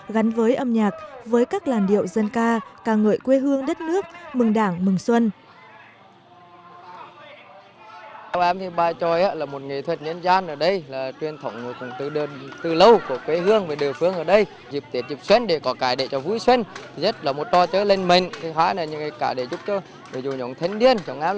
gắn với âm nhạc với các làn điệu dân ca ca ngợi quê hương đất nước mừng đảng mừng xuân